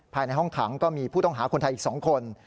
ภายในห้องขังก็มีผู้ต้องหาคนไทยอีก๒คน